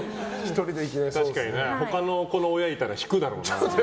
他の子の親いたら引くだろうな。